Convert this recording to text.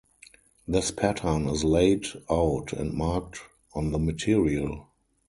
This pattern is laid out and marked on the material.